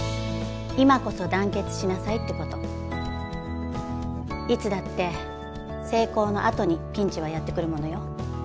今こそ団結しなさいってこといつだって成功のあとにピンチはやってくるものよ